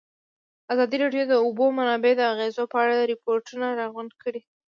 ازادي راډیو د د اوبو منابع د اغېزو په اړه ریپوټونه راغونډ کړي.